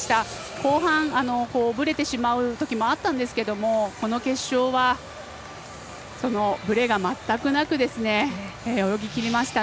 後半、ぶれてしまうときもあったんですけれどもこの決勝はぶれが全くなく泳ぎきりました。